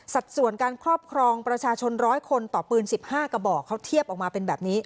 ส่วนการครอบครองประชาชน๑๐๐คนต่อปืน๑๕กระบอกเขาเทียบออกมาเป็นแบบนี้